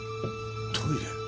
トイレ？